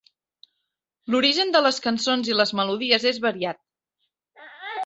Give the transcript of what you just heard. L'origen de les cançons i les melodies és variat.